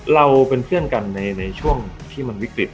เราเป็นเพื่อนกันในช่วงที่มันวิกฤต